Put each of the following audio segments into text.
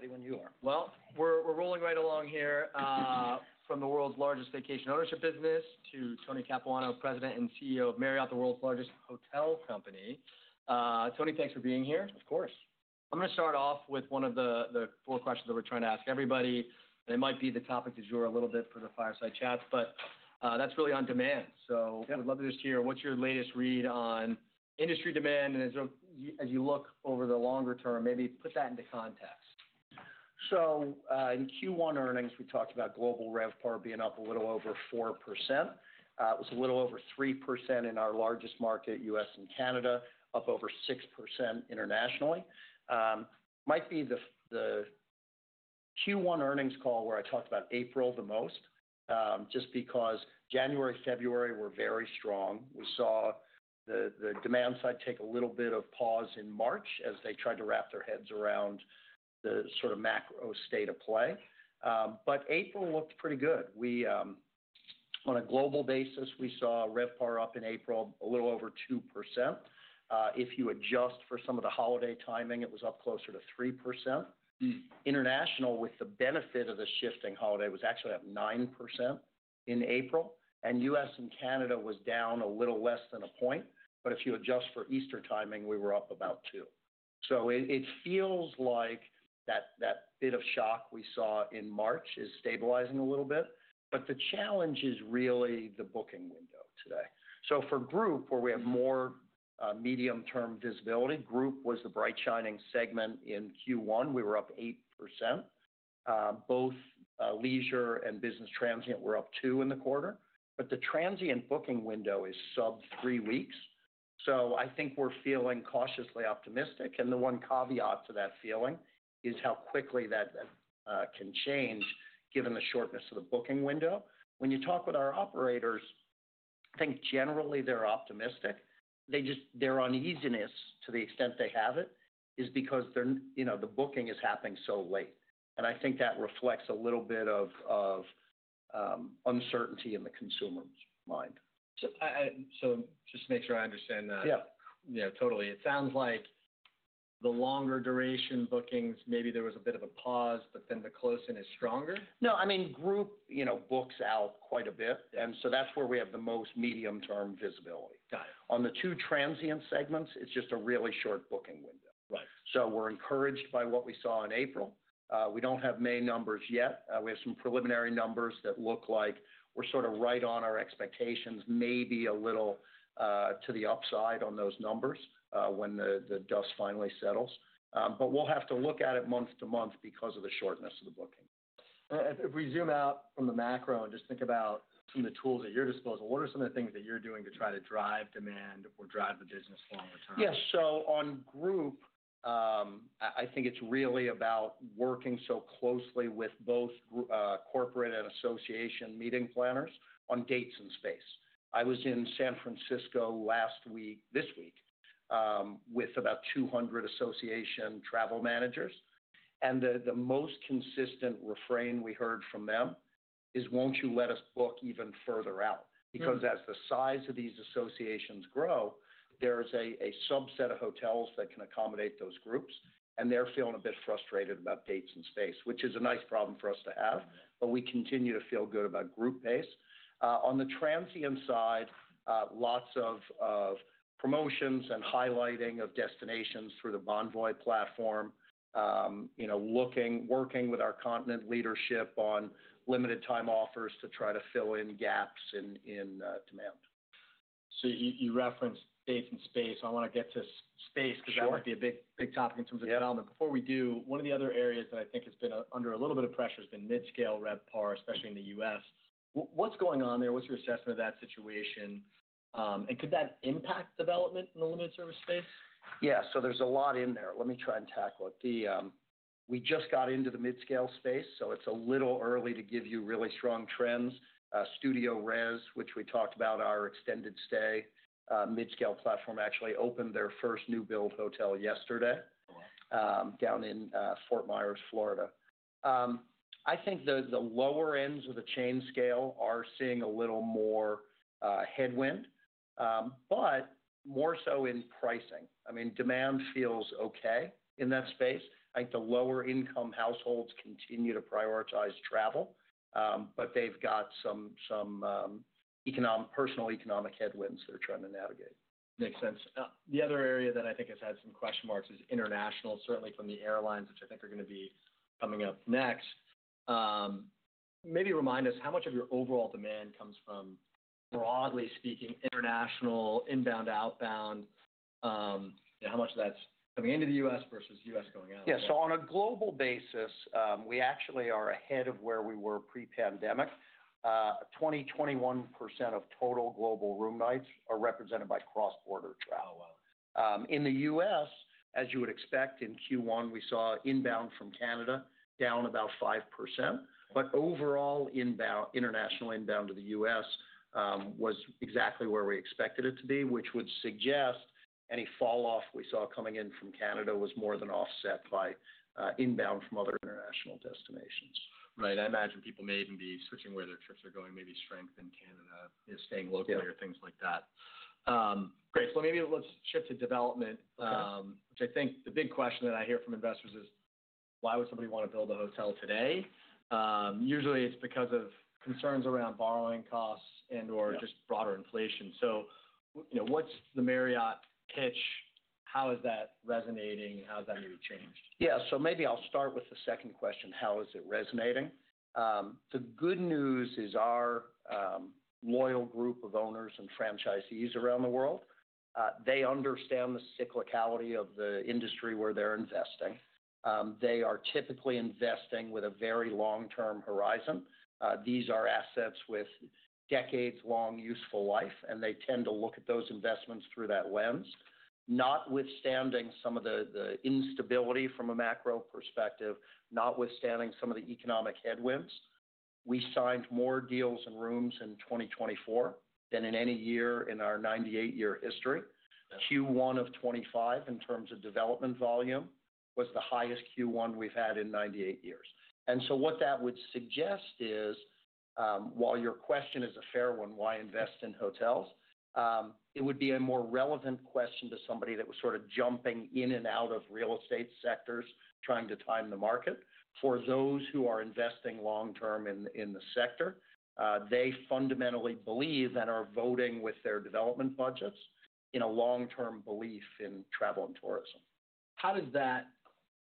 Ready when you are. We're rolling right along here, from the world's largest vacation ownership business to Tony Capuano, President and CEO of Marriott, the world's largest hotel company. Tony, thanks for being here. Of course. I'm gonna start off with one of the four questions that we're trying to ask everybody. It might be the topic that you're a little bit for the fireside chats, but that's really on demand. Yeah. We'd love to just hear what's your latest read on industry demand and as you look over the longer term, maybe put that into context. In Q1 earnings, we talked about global RevPAR being up a little over 4%. It was a little over 3% in our largest market, U.S. and Canada, up over 6% internationally. It might be the Q1 earnings call where I talked about April the most, just because January, February were very strong. We saw the demand side take a little bit of pause in March as they tried to wrap their heads around the sort of macro state of play. April looked pretty good. On a global basis, we saw RevPAR up in April a little over 2%. If you adjust for some of the holiday timing, it was up closer to 3%. International, with the benefit of the shifting holiday, was actually up 9% in April, and U.S. and Canada was down a little less than a point. If you adjust for Easter timing, we were up about 2. It feels like that bit of shock we saw in March is stabilizing a little bit. The challenge is really the booking window today. For group, where we have more medium-term visibility, group was the bright shining segment in Q1. We were up 8%. Both leisure and business transient were up 2% in the quarter, but the transient booking window is sub three weeks. I think we are feeling cautiously optimistic. The one caveat to that feeling is how quickly that can change given the shortness of the booking window. When you talk with our operators, I think generally they are optimistic. Their uneasiness, to the extent they have it, is because the booking is happening so late. I think that reflects a little bit of uncertainty in the consumer's mind. So just to make sure I understand that. Yeah. Yeah, totally. It sounds like the longer duration bookings, maybe there was a bit of a pause, but then the closing is stronger? No, I mean, group, you know, books out quite a bit. Yeah. That's where we have the most medium-term visibility. Got it. On the two transient segments, it's just a really short booking window. Right. We're encouraged by what we saw in April. We don't have May numbers yet. We have some preliminary numbers that look like we're sort of right on our expectations, maybe a little to the upside on those numbers when the dust finally settles. We'll have to look at it month to month because of the shortness of the booking. If we zoom out from the macro and just think about some of the tools at your disposal, what are some of the things that you're doing to try to drive demand or drive the business longer term? Yeah. On group, I think it's really about working so closely with both corporate and association meeting planners on dates and space. I was in San Francisco last week, this week, with about 200 association travel managers. The most consistent refrain we heard from them is, "Won't you let us book even further out? Mm-hmm. Because as the size of these associations grow, there's a subset of hotels that can accommodate those groups, and they're feeling a bit frustrated about dates and space, which is a nice problem for us to have. We continue to feel good about group pace. On the transient side, lots of promotions and highlighting of destinations through the Bonvoy platform, you know, looking, working with our continent leadership on limited-time offers to try to fill in gaps in demand. You referenced dates and space. I wanna get to space 'cause that would be a big, big topic in terms of development. Yeah. Before we do, one of the other areas that I think has been under a little bit of pressure has been midscale RevPAR, especially in the U.S.. What's going on there? What's your assessment of that situation? Could that impact development in the limited-service space? Yeah. There's a lot in there. Let me try and tackle it. We just got into the midscale space, so it's a little early to give you really strong trends. StudioRes, which we talked about, our extended stay midscale platform, actually opened their first new-build hotel yesterday. down in Fort Myers, Florida. I think the lower ends of the chain scale are seeing a little more headwind, but more so in pricing. I mean, demand feels okay in that space. I think the lower-income households continue to prioritize travel, but they've got some personal economic headwinds they're trying to navigate. Makes sense. The other area that I think has had some question marks is international, certainly from the airlines, which I think are gonna be coming up next. Maybe remind us how much of your overall demand comes from, broadly speaking, international inbound, outbound, you know, how much of that's coming into the U.S. versus U.S. going out. Yeah. On a global basis, we actually are ahead of where we were pre-pandemic. Twenty to 21% of total global room nights are represented by cross-border travel. In the U.S., as you would expect, in Q1, we saw inbound from Canada down about 5%. Overall inbound, international inbound to the U.S., was exactly where we expected it to be, which would suggest any falloff we saw coming in from Canada was more than offset by inbound from other international destinations. Right. I imagine people may even be switching where their trips are going, maybe strength in Canada, you know, staying locally. Yeah. Or things like that. Great. So maybe let's shift to development. Okay. which I think the big question that I hear from investors is, why would somebody wanna build a hotel today? Usually it's because of concerns around borrowing costs and/or. Yeah. Just broader inflation. You know, what's the Marriott pitch? How is that resonating? How's that maybe changed? Yeah. Maybe I'll start with the second question. How is it resonating? The good news is our loyal group of owners and franchisees around the world, they understand the cyclicality of the industry where they're investing. They are typically investing with a very long-term horizon. These are assets with decades-long useful life, and they tend to look at those investments through that lens, notwithstanding some of the instability from a macro perspective, notwithstanding some of the economic headwinds. We signed more deals and rooms in 2024 than in any year in our 98-year history. Q1 of 2025, in terms of development volume, was the highest Q1 we've had in 98 years. What that would suggest is, while your question is a fair one, why invest in hotels? it would be a more relevant question to somebody that was sort of jumping in and out of real estate sectors, trying to time the market. For those who are investing long-term in, in the sector, they fundamentally believe and are voting with their development budgets in a long-term belief in travel and tourism. How does that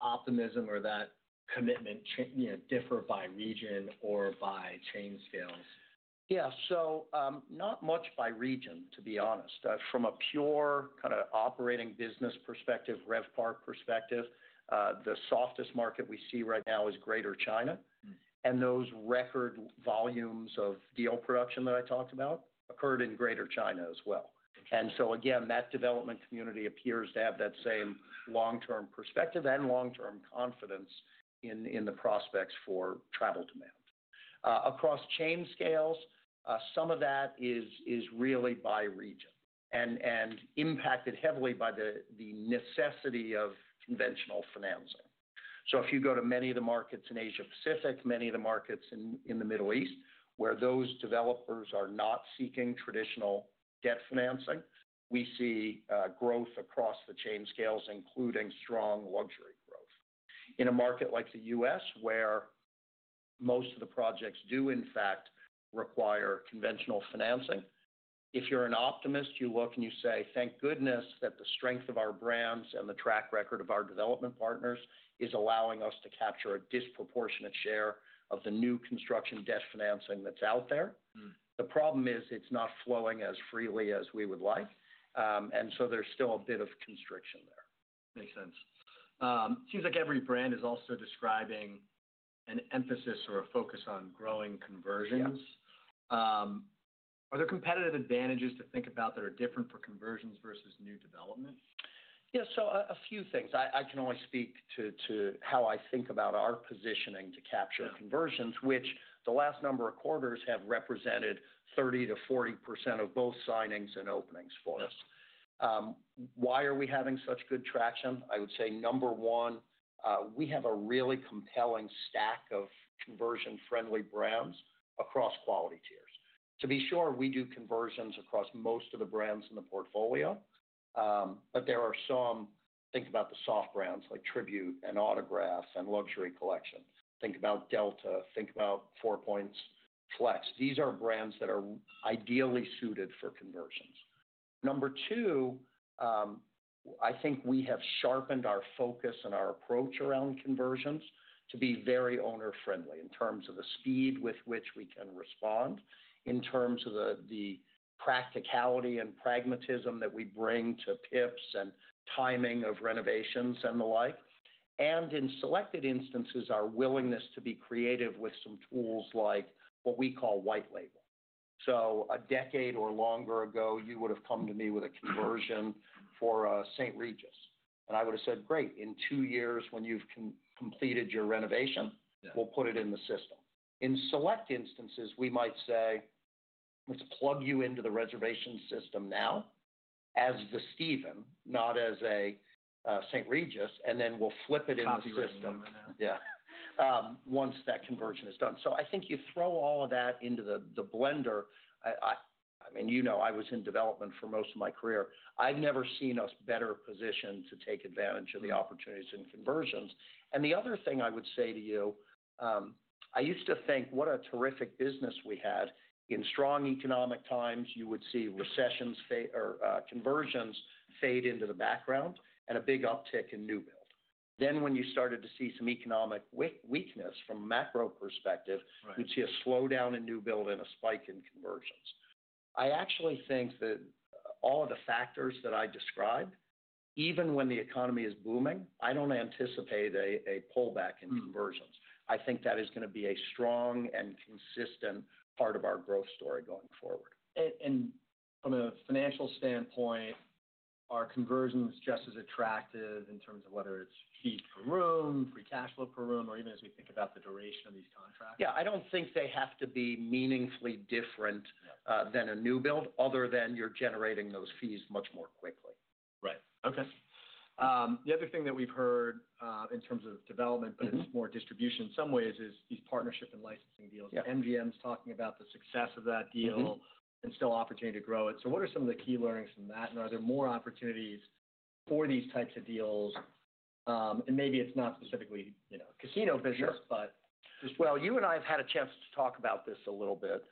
optimism or that commitment, you know, differ by region or by chain scales? Yeah. So, not much by region, to be honest. From a pure kinda operating business perspective, RevPAR perspective, the softest market we see right now is Greater China. And those record volumes of deal production that I talked about occurred in Greater China as well. That development community appears to have that same long-term perspective and long-term confidence in the prospects for travel demand. Across chain scales, some of that is really by region and impacted heavily by the necessity of conventional financing. If you go to many of the markets in Asia Pacific, many of the markets in the Middle East, where those developers are not seeking traditional debt financing, we see growth across the chain scales, including strong luxury growth. In a market like the U.S., where most of the projects do, in fact, require conventional financing, if you're an optimist, you look and you say, "Thank goodness that the strength of our brands and the track record of our development partners is allowing us to capture a disproportionate share of the new construction debt financing that's out there." The problem is it's not flowing as freely as we would like, and so there's still a bit of constriction there. Makes sense. Seems like every brand is also describing an emphasis or a focus on growing conversions. Are there competitive advantages to think about that are different for conversions versus new development? Yeah. A few things. I can only speak to how I think about our positioning to capture. Conversions, which the last number of quarters have represented 30%-40% of both signings and openings for us.. Why are we having such good traction? I would say number one, we have a really compelling stack of conversion-friendly brands across quality tiers. To be sure, we do conversions across most of the brands in the portfolio. There are some, think about the soft brands like Tribute and Autograph and Luxury Collection. Think about Delta. Think about Four Points Flex. These are brands that are ideally suited for conversions. Number two, I think we have sharpened our focus and our approach around conversions to be very owner-friendly in terms of the speed with which we can respond, in terms of the practicality and pragmatism that we bring to PIPs and timing of renovations and the like, and in selected instances, our willingness to be creative with some tools like what we call white label. A decade or longer ago, you would've come to me with a conversion for St. Regis, and I would've said, "Great. In two years, when you've completed your renovation. Yeah. We'll put it in the system." In select instances, we might say, "Let's plug you into the reservation system now as The Stephen, not as a St. Regis, and then we'll flip it in the system. Pass yourself in there. Yeah. Once that conversion is done. I think you throw all of that into the blender. I mean, you know, I was in development for most of my career. I've never seen a better position to take advantage of the opportunities in conversions. The other thing I would say to you, I used to think, "What a terrific business we had." In strong economic times, you would see recessions fade into the background and a big uptick in new build. When you started to see some economic weakness from a macro perspective. Right. You'd see a slowdown in new build and a spike in conversions. I actually think that all of the factors that I described, even when the economy is booming, I don't anticipate a pullback in conversions. I think that is gonna be a strong and consistent part of our growth story going forward. And from a financial standpoint, are conversions just as attractive in terms of whether it's fees per room, free cash flow per room, or even as we think about the duration of these contracts? Yeah. I don't think they have to be meaningfully different. Yeah. than a new build, other than you're generating those fees much more quickly. Right. Okay. The other thing that we've heard, in terms of development, but it's more distribution in some ways, is these partnership and licensing deals. Yeah. International's talking about the success of that deal. Mm-hmm. is still opportunity to grow it. What are some of the key learnings from that? Are there more opportunities for these types of deals? Maybe it is not specifically, you know, casino business. Sure. But just. You and I have had a chance to talk about this a little bit.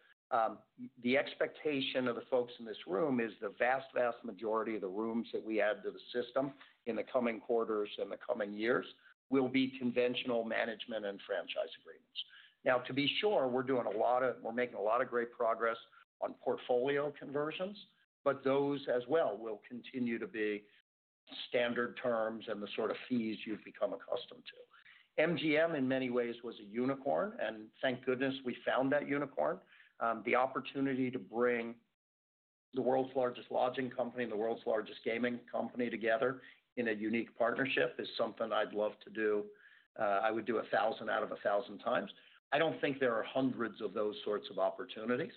The expectation of the folks in this room is the vast, vast majority of the rooms that we add to the system in the coming quarters and the coming years will be conventional management and franchise agreements. Now, to be sure, we're doing a lot of, we're making a lot of great progress on portfolio conversions, but those as well will continue to be standard terms and the sort of fees you've become accustomed to. MGM, in many ways, was a unicorn, and thank goodness we found that unicorn. The opportunity to bring the world's largest lodging company and the world's largest gaming company together in a unique partnership is something I'd love to do. I would do 1,000 out of 1,000 times. I don't think there are hundreds of those sorts of opportunities.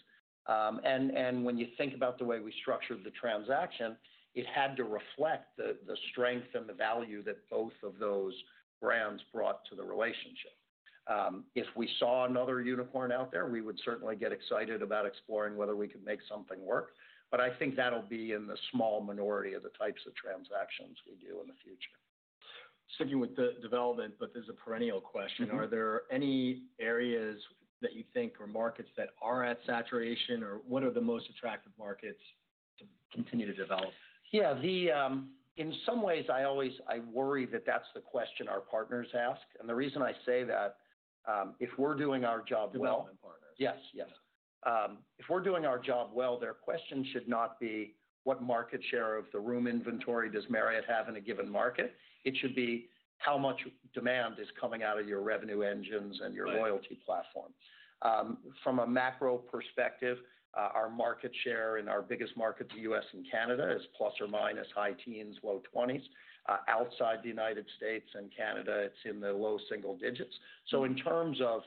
And when you think about the way we structured the transaction, it had to reflect the strength and the value that both of those brands brought to the relationship. If we saw another unicorn out there, we would certainly get excited about exploring whether we could make something work. I think that'll be in the small minority of the types of transactions we do in the future. Sticking with the development, there's a perennial question. Are there any areas that you think or markets that are at saturation, or what are the most attractive markets to continue to develop? Yeah. In some ways, I always worry that that's the question our partners ask. The reason I say that, if we're doing our job well. Development partners. Yes, yes. If we're doing our job well, their question should not be, "What market share of the room inventory does Marriott have in a given market?" It should be, "How much demand is coming out of your revenue engines and your loyalty platform?" From a macro perspective, our market share in our biggest markets, the U.S. and Canada, is plus or minus high teens, low 20s. Outside the United States and Canada, it's in the low single digits. In terms of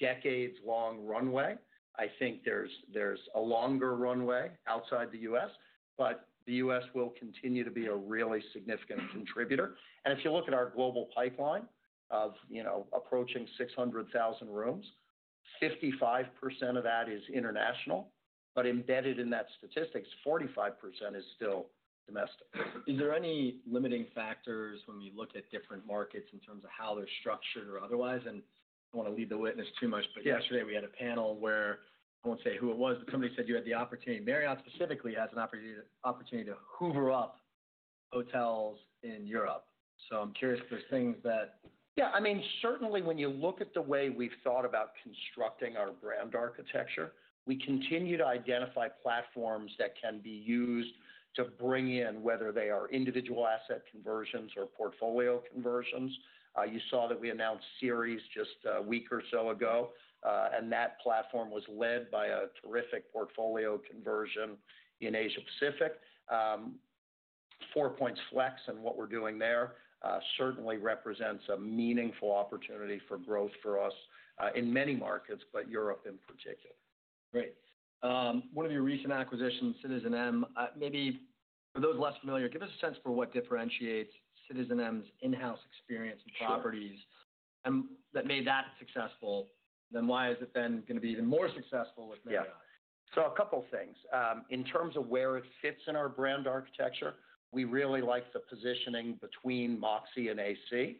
decades-long runway, I think there's a longer runway outside the U.S., but the U.S. will continue to be a really significant contributor. If you look at our global pipeline of, you know, approaching 600,000 rooms, 55% of that is international, but embedded in that statistic, 45% is still domestic. Is there any limiting factors when we look at different markets in terms of how they're structured or otherwise? I don't wanna lead the witness too much, but. Yeah. Yesterday, we had a panel where I won't say who it was, but somebody said you had the opportunity. Marriott specifically has an opportunity to hoover up hotels in Europe. I'm curious if there's things that. Yeah. I mean, certainly when you look at the way we've thought about constructing our brand architecture, we continue to identify platforms that can be used to bring in whether they are individual asset conversions or portfolio conversions. You saw that we announced StudioRes just a week or so ago, and that platform was led by a terrific portfolio conversion in Asia Pacific. Four Points Flex and what we're doing there certainly represents a meaningful opportunity for growth for us, in many markets, but Europe in particular. Great. One of your recent acquisitions, citizenM, maybe for those less familiar, give us a sense for what differentiates citizenM's in-house experience and properties. Sure. That made that successful, then why is it then gonna be even more successful with Marriott? Yeah. A couple things. In terms of where it fits in our brand architecture, we really like the positioning between Moxy and AC,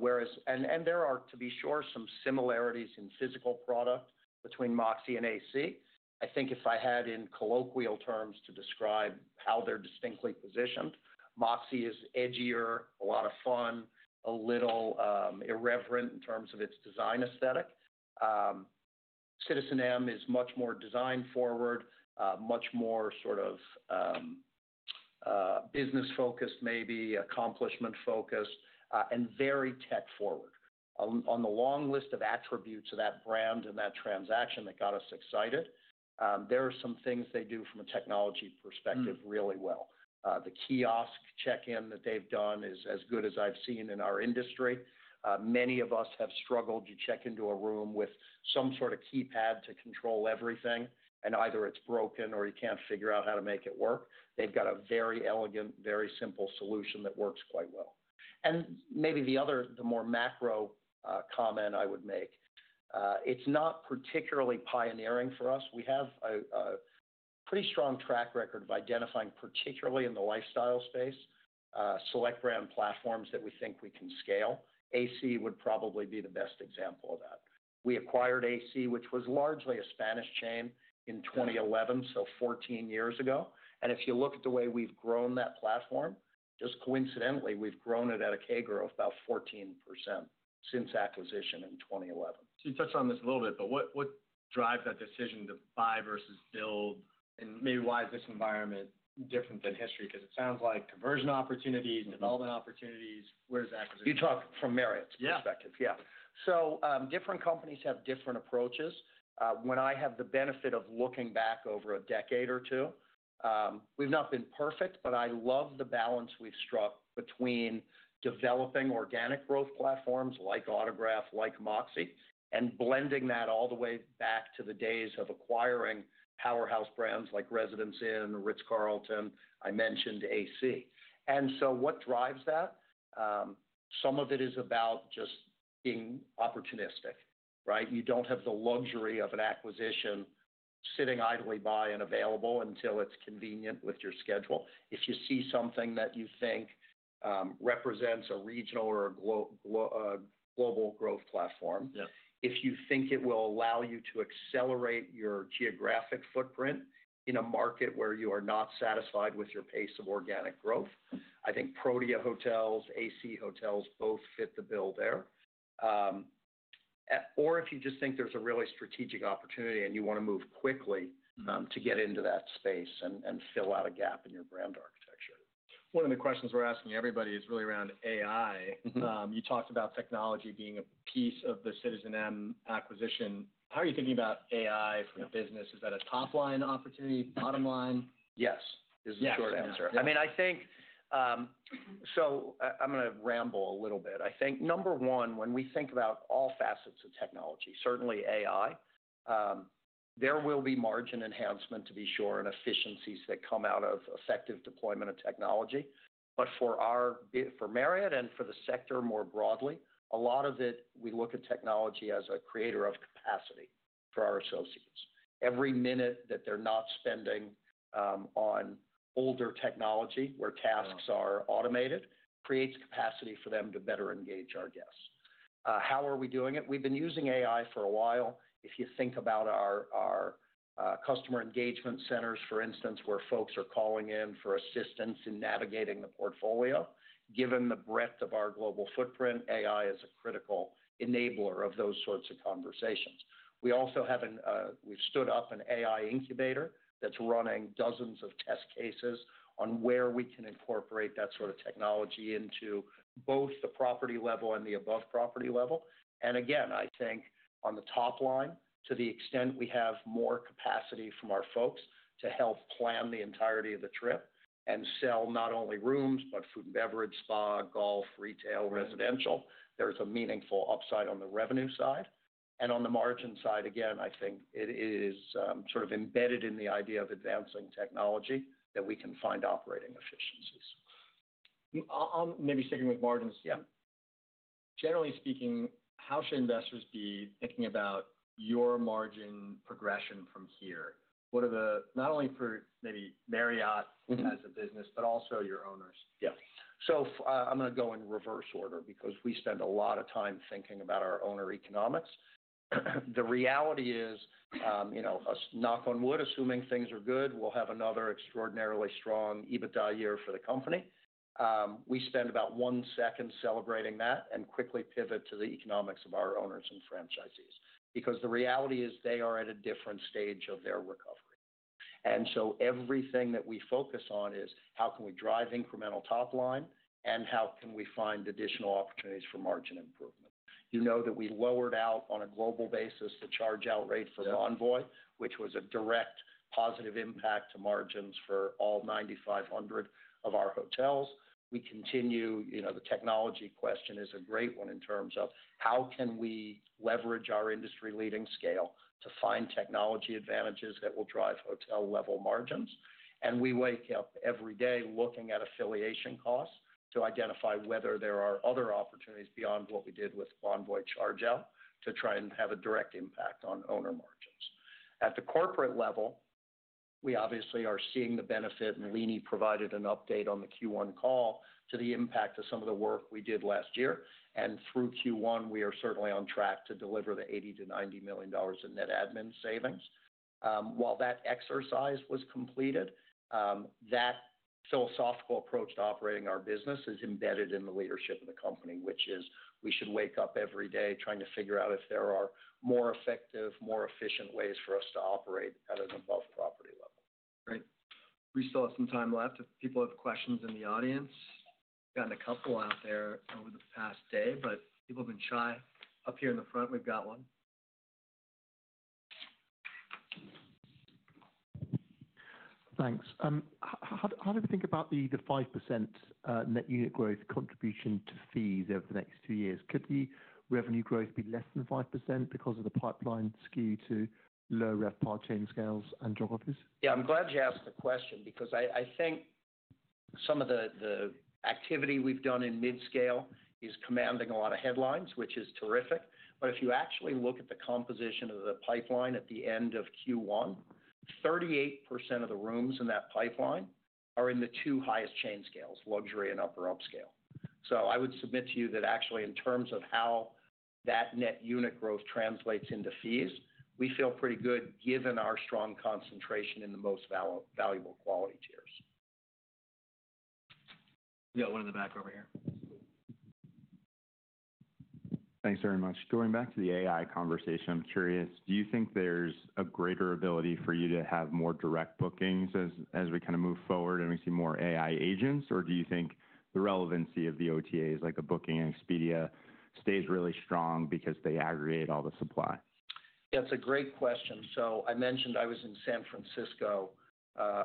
whereas, and there are, to be sure, some similarities in physical product between Moxy and AC. I think if I had, in colloquial terms, to describe how they're distinctly positioned, Moxy is edgier, a lot of fun, a little irreverent in terms of its design aesthetic. citizenM is much more design-forward, much more sort of business-focused, maybe accomplishment-focused, and very tech-forward. On the long list of attributes of that brand and that transaction that got us excited, there are some things they do from a technology perspective really well. The kiosk check-in that they've done is as good as I've seen in our industry. Many of us have struggled to check into a room with some sort of keypad to control everything, and either it's broken or you can't figure out how to make it work. They've got a very elegant, very simple solution that works quite well. Maybe the other, the more macro, comment I would make, it's not particularly pioneering for us. We have a pretty strong track record of identifying, particularly in the lifestyle space, select brand platforms that we think we can scale. AC would probably be the best example of that. We acquired AC, which was largely a Spanish chain, in 2011, so 14 years ago. If you look at the way we've grown that platform, just coincidentally, we've grown it at a CAGR of about 14% since acquisition in 2011. You touched on this a little bit, but what drives that decision to buy versus build? And maybe why is this environment different than history? 'Cause it sounds like conversion opportunities and development opportunities. Where does that. You talk from Marriott's perspective. Yeah. Yeah. Different companies have different approaches. When I have the benefit of looking back over a decade or two, we've not been perfect, but I love the balance we've struck between developing organic growth platforms like Autograph, like Moxy, and blending that all the way back to the days of acquiring powerhouse brands like Residence Inn, Ritz-Carlton, I mentioned AC. What drives that? Some of it is about just being opportunistic, right? You don't have the luxury of an acquisition sitting idly by and available until it's convenient with your schedule. If you see something that you think represents a regional or a global growth platform. Yeah. If you think it will allow you to accelerate your geographic footprint in a market where you are not satisfied with your pace of organic growth, I think Protea Hotels, AC Hotels both fit the bill there. Or if you just think there's a really strategic opportunity and you wanna move quickly. Mm-hmm. to get into that space and fill out a gap in your brand architecture. One of the questions we're asking everybody is really around AI. Mm-hmm. You talked about technology being a piece of the citizenM acquisition. How are you thinking about AI for your business? Is that a top-line opportunity, bottom-line? Yes. Is the short answer. Yes. I mean, I think, I-I'm gonna ramble a little bit. I think number one, when we think about all facets of technology, certainly AI, there will be margin enhancement, to be sure, and efficiencies that come out of effective deployment of technology. But for our, for Marriott and for the sector more broadly, a lot of it, we look at technology as a creator of capacity for our associates. Every minute that they're not spending on older technology where tasks are automated creates capacity for them to better engage our guests. How are we doing it? We've been using AI for a while. If you think about our, our customer engagement centers, for instance, where folks are calling in for assistance in navigating the portfolio, given the breadth of our global footprint, AI is a critical enabler of those sorts of conversations. We also have an, we've stood up an AI incubator that's running dozens of test cases on where we can incorporate that sort of technology into both the property level and the above-property level. Again, I think on the top line, to the extent we have more capacity from our folks to help plan the entirety of the trip and sell not only rooms but food and beverage, spa, golf, retail, residential, there's a meaningful upside on the revenue side. On the margin side, again, I think it is, sort of embedded in the idea of advancing technology that we can find operating efficiencies. I'll maybe sticking with margins. Yeah. Generally speaking, how should investors be thinking about your margin progression from here? What are the not only for maybe Marriott. Mm-hmm. As a business, but also your owners? Yeah. If I'm gonna go in reverse order because we spend a lot of time thinking about our owner economics. The reality is, you know, us knock on wood, assuming things are good, we'll have another extraordinarily strong EBITDA year for the company. We spend about one second celebrating that and quickly pivot to the economics of our owners and franchisees because the reality is they are at a different stage of their recovery. And so everything that we focus on is how can we drive incremental top line and how can we find additional opportunities for margin improvement. You know that we lowered out on a global basis the charge-out rate for. Yeah. Envoy, which was a direct positive impact to margins for all 9,500 of our hotels. We continue, you know, the technology question is a great one in terms of how can we leverage our industry-leading scale to find technology advantages that will drive hotel-level margins. We wake up every day looking at affiliation costs to identify whether there are other opportunities beyond what we did with Bonvoy charge-out to try and have a direct impact on owner margins. At the corporate level, we obviously are seeing the benefit, and Leeny provided an update on the Q1 call to the impact of some of the work we did last year. Through Q1, we are certainly on track to deliver the $80 million-$90 million in net admin savings. While that exercise was completed, that philosophical approach to operating our business is embedded in the leadership of the company, which is we should wake up every day trying to figure out if there are more effective, more efficient ways for us to operate at an above-property level. Great. We still have some time left. If people have questions in the audience, gotten a couple out there over the past day, but people have been shy. Up here in the front, we've got one. Thanks. How do we think about the 5% net unit growth contribution to fees over the next two years? Could the revenue growth be less than 5% because of the pipeline skew to low-RevPAR chain scales and job offers? Yeah. I'm glad you asked the question because I think some of the activity we've done in mid-scale is commanding a lot of headlines, which is terrific. If you actually look at the composition of the pipeline at the end of Q1, 38% of the rooms in that pipeline are in the two highest chain scales, luxury and upper-upscale. I would submit to you that actually, in terms of how that net unit growth translates into fees, we feel pretty good given our strong concentration in the most valuable, valuable quality tiers. We got one in the back over here. Thanks very much. Going back to the AI conversation, I'm curious, do you think there's a greater ability for you to have more direct bookings as we kinda move forward and we see more AI agents, or do you think the relevancy of the OTAs, like a Booking and Expedia, stays really strong because they aggregate all the supply? Yeah. It's a great question. I mentioned I was in San Francisco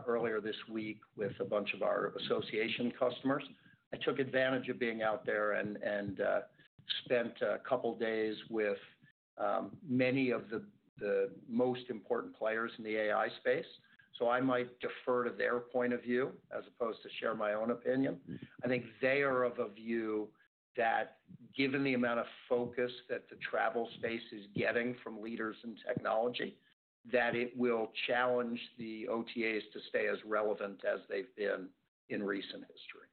earlier this week with a bunch of our association customers. I took advantage of being out there and spent a couple days with many of the most important players in the AI space. I might defer to their point of view as opposed to share my own opinion. I think they are of a view that given the amount of focus that the travel space is getting from leaders in technology, it will challenge the OTAs to stay as relevant as they've been in recent history.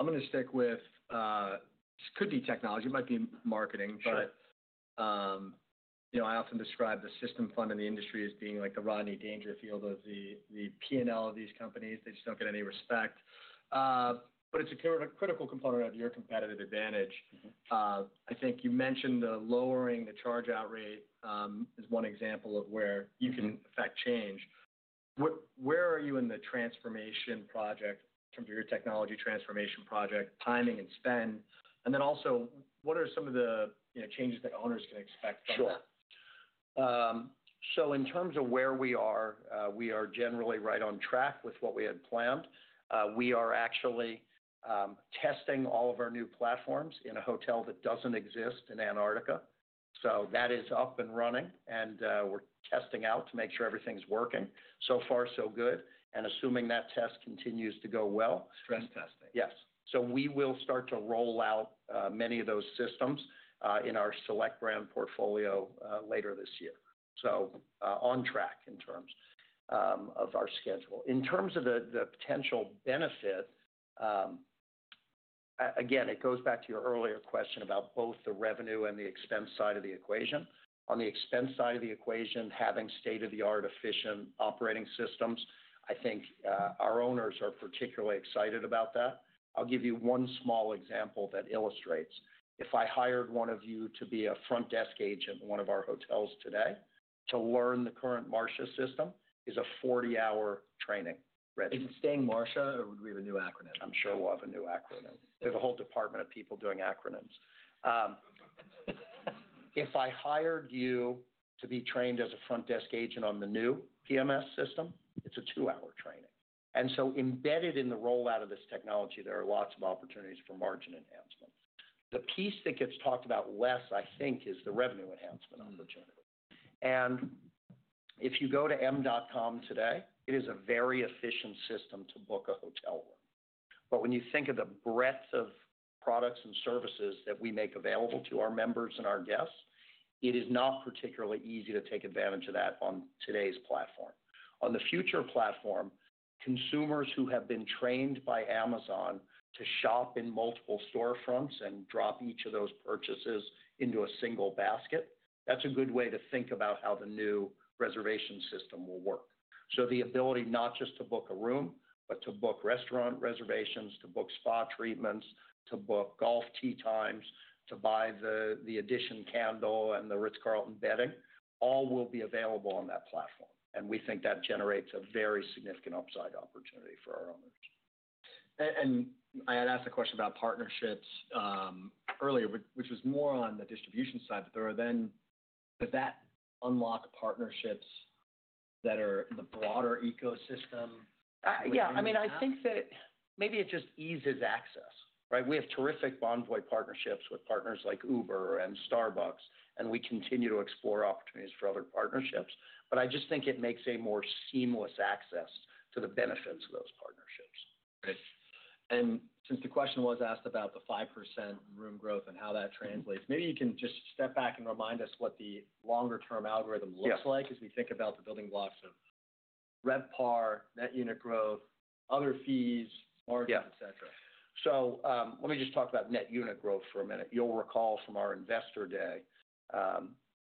I'm gonna stick with, this could be technology. It might be marketing, but. Sure. You know, I often describe the system fund in the industry as being like the Rodney Dangerfield of the P&L of these companies. They just don't get any respect. It is a critical component of your competitive advantage. Mm-hmm. I think you mentioned the lowering the charge-out rate, is one example of where you can affect change. Where are you in the transformation project in terms of your technology transformation project? Timing and spend. And then also, what are some of the, you know, changes that owners can expect from that? Sure. So in terms of where we are, we are generally right on track with what we had planned. We are actually testing all of our new platforms in a hotel that does not exist in Antarctica. That is up and running, and we are testing out to make sure everything is working. So far, so good. Assuming that test continues to go well. Stress testing. Yes. We will start to roll out many of those systems in our select brand portfolio later this year. On track in terms of our schedule. In terms of the potential benefit, again, it goes back to your earlier question about both the revenue and the expense side of the equation. On the expense side of the equation, having state-of-the-art efficient operating systems, I think our owners are particularly excited about that. I'll give you one small example that illustrates. If I hired one of you to be a front desk agent in one of our hotels today to learn the current MARSHA system, it's a 40-hour training regimen. Is it staying MARSHA or would we have a new acronym? I'm sure we'll have a new acronym. We have a whole department of people doing acronyms. If I hired you to be trained as a front desk agent on the new PMS system, it's a two-hour training. Embedded in the rollout of this technology, there are lots of opportunities for margin enhancement. The piece that gets talked about less, I think, is the revenue enhancement opportunity. If you go to m.com today, it is a very efficient system to book a hotel room. When you think of the breadth of products and services that we make available to our members and our guests, it is not particularly easy to take advantage of that on today's platform. On the future platform, consumers who have been trained by Amazon to shop in multiple storefronts and drop each of those purchases into a single basket, that is a good way to think about how the new reservation system will work. The ability not just to book a room but to book restaurant reservations, to book spa treatments, to book golf tee times, to buy the EDITION candle and the Ritz-Carlton bedding, all will be available on that platform. We think that generates a very significant upside opportunity for our owners. I had asked a question about partnerships earlier, which was more on the distribution side, but does that unlock partnerships that are in the broader ecosystem? Yeah. I mean, I think that maybe it just eases access, right? We have terrific Bonvoy partnerships with partners like Uber and Starbucks, and we continue to explore opportunities for other partnerships. I just think it makes a more seamless access to the benefits of those partnerships. Great. Since the question was asked about the 5% room growth and how that translates, maybe you can just step back and remind us what the longer-term algorithm looks like. Yeah. As we think about the building blocks of RevPAR, net unit growth, other fees, margins, etc. Yeah. Let me just talk about net unit growth for a minute. You'll recall from our investor day,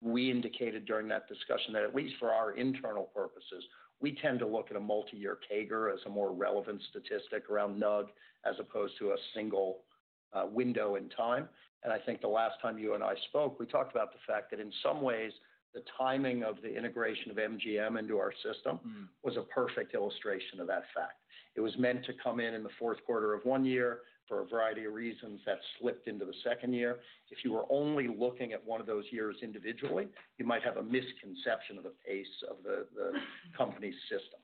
we indicated during that discussion that at least for our internal purposes, we tend to look at a multi-year CAGR as a more relevant statistic around NUG as opposed to a single window in time. I think the last time you and I spoke, we talked about the fact that in some ways, the timing of the integration of MGM into our system. Mm-hmm. Was a perfect illustration of that fact. It was meant to come in in the fourth quarter of one year for a variety of reasons that slipped into the second year. If you were only looking at one of those years individually, you might have a misconception of the pace of the company's system.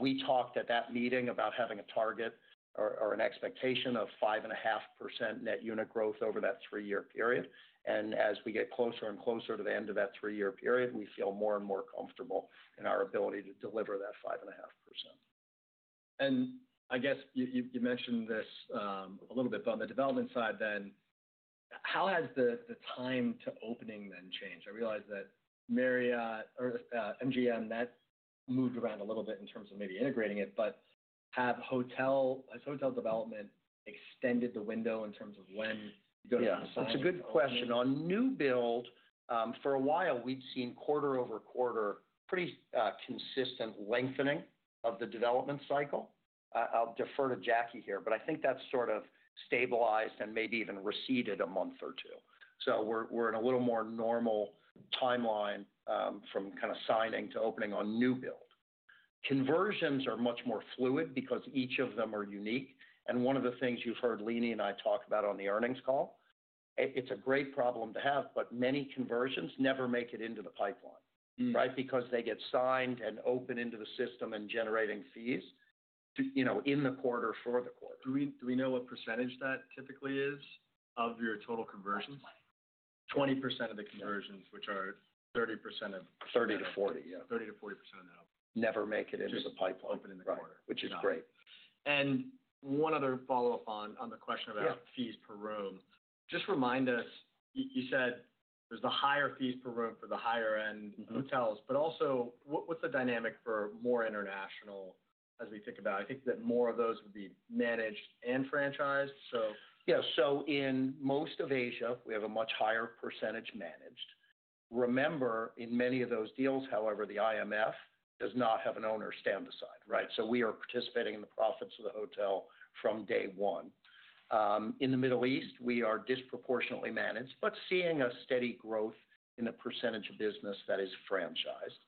We talked at that meeting about having a target or, or an expectation of 5.5% net unit growth over that three-year period. And as we get closer and closer to the end of that three-year period, we feel more and more comfortable in our ability to deliver that 5.5%. I guess you mentioned this a little bit on the development side then. How has the time to opening then changed? I realize that Marriott or MGM, that moved around a little bit in terms of maybe integrating it, but has hotel development extended the window in terms of when you go to the design? Yeah. That's a good question. On new build, for a while, we'd seen quarter over quarter pretty consistent lengthening of the development cycle. I'll defer to Jackie here, but I think that's sort of stabilized and maybe even receded a month or two. We're in a little more normal timeline, from kinda signing to opening on new build. Conversions are much more fluid because each of them are unique. One of the things you've heard Leeny and I talk about on the earnings call, it's a great problem to have, but many conversions never make it into the pipeline. Mm-hmm. Right? Because they get signed and open into the system and generating fees to, you know, in the quarter for the quarter. Do we know what percentage that typically is of your total conversions? 20%. 20% of the conversions, which are 30% of. 30-40. Yeah. 30%-40% of the. Never make it into the pipeline. Just opened in the quarter. Which is great. One other follow-up on the question about. Yeah. Fees per room. Just remind us, you said there's the higher fees per room for the higher-end. Mm-hmm. Hotels, but also what's the dynamic for more international as we think about, I think, that more of those would be managed and franchised. Yeah. In most of Asia, we have a much higher percentage managed. Remember, in many of those deals, however, the IMF does not have an owner stand aside, right? We are participating in the profits of the hotel from day one. In the Middle East, we are disproportionately managed but seeing a steady growth in the percentage of business that is franchised.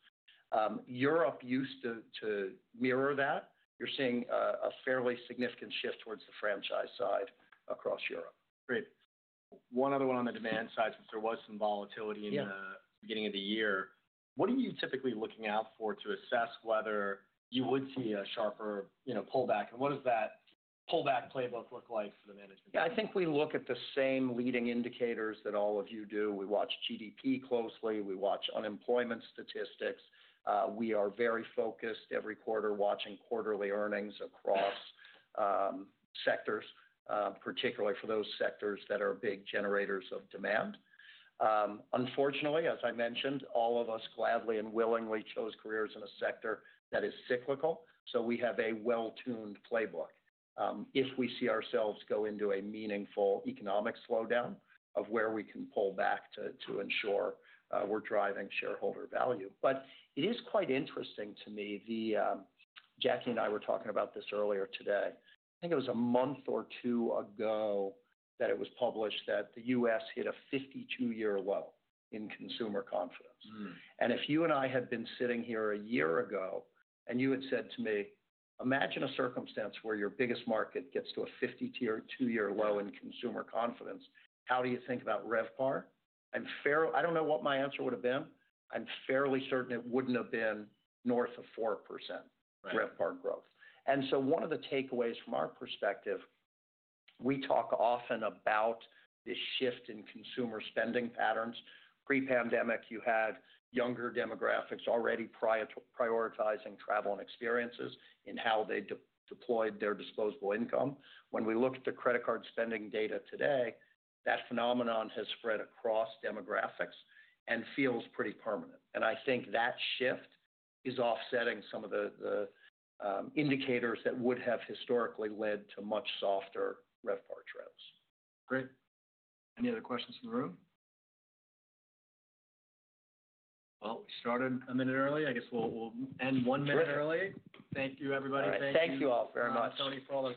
Europe used to mirror that. You are seeing a fairly significant shift towards the franchise side across Europe. Great. One other one on the demand side since there was some volatility in the. Yeah. Beginning of the year. What are you typically looking out for to assess whether you would see a sharper, you know, pullback? What does that pullback playbook look like for the management? Yeah. I think we look at the same leading indicators that all of you do. We watch GDP closely. We watch unemployment statistics. We are very focused every quarter watching quarterly earnings across sectors, particularly for those sectors that are big generators of demand. Unfortunately, as I mentioned, all of us gladly and willingly chose careers in a sector that is cyclical. So we have a well-tuned playbook. If we see ourselves go into a meaningful economic slowdown of where we can pull back to, to ensure we're driving shareholder value. It is quite interesting to me. Jackie and I were talking about this earlier today. I think it was a month or two ago that it was published that the U.S. hit a 52-year low in consumer confidence. If you and I had been sitting here a year ago and you had said to me, "Imagine a circumstance where your biggest market gets to a 52-year low in consumer confidence. How do you think about RevPAR?" I do not know what my answer would've been. I'm fairly certain it wouldn't have been north of 4%. Right. RevPAR growth. One of the takeaways from our perspective, we talk often about this shift in consumer spending patterns. Pre-pandemic, you had younger demographics already prioritizing travel and experiences in how they deployed their disposable income. When we look at the credit card spending data today, that phenomenon has spread across demographics and feels pretty permanent. I think that shift is offsetting some of the indicators that would have historically led to much softer RevPAR trends. Great. Any other questions from the room? We started a minute early. I guess we'll end one minute early. Great. Thank you, everybody. Thank you. All right. Thank you all very much. Tony, for all the.